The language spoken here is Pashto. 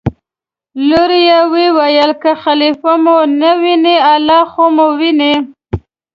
لور یې وویل: که خلیفه مو نه ویني الله خو مو ویني.